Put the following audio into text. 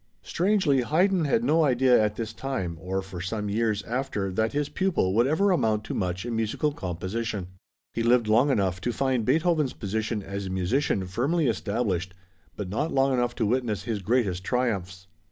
Strangely, Haydn had no idea at this time or for some years after that his pupil would ever amount to much in musical composition. He lived long enough to find Beethoven's position as a musician firmly established, but not long enough to witness his greatest triumphs.